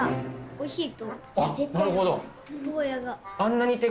おいしい。